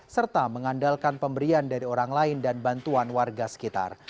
serta mengandalkan pemberian dari orang lain dan bantuan warga sekitar